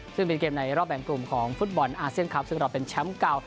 ซึ่งเป็นเกมในรอบแบ่งกลุ่มของฟุตบอลอาเซียนคลับซึ่งเราเป็นแชมป์เก่า